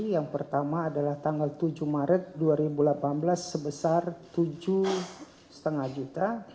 yang pertama adalah tanggal tujuh maret dua ribu delapan belas sebesar tujuh lima juta